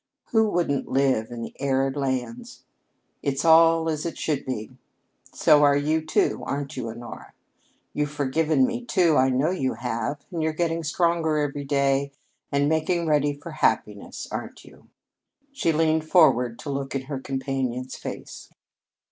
Who wouldn't live in the arid lands? It's all as it should be. So are you, too, aren't you, Honora? You've forgiven me, too, I know you have; and you're getting stronger every day, and making ready for happiness, aren't you?" She leaned forward to look in her companion's face.